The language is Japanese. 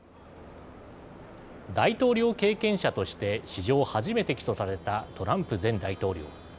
大統領経験者として史上初めて起訴されたトランプ前大統領。